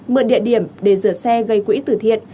mượn địa điểm để rửa xe gây quỹ tử thiện